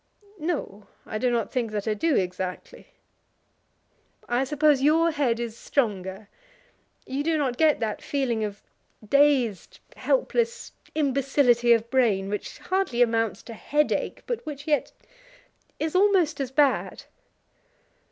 "No; I do not think that I do, exactly." "I suppose your head is stronger. You do not get that feeling of dazed, helpless imbecility of brain, which hardly amounts to headache, but which yet is almost as bad."